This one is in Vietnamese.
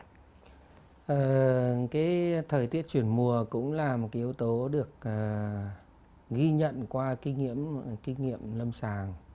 cái thời tiết chuyển mùa cũng là một cái yếu tố được ghi nhận qua kinh nghiệm lâm sàng